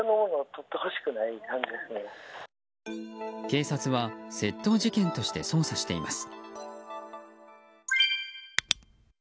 警察は窃盗事件として捜査しています。